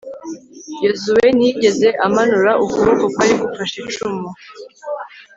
yozuwe ntiyigeze amanura ukuboko kwari gufashe icumu